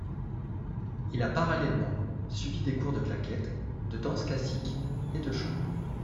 Il a parallèlement suivi des cours de claquettes, de danse classique et de chant.